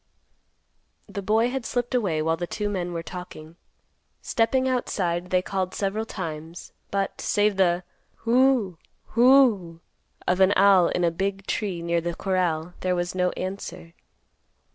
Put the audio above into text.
The boy had slipped away while the two men were talking. Stepping outside they called several times; but, save the "Wh w h o—w h o o o" of an owl in a big tree near the corral, there was no answer.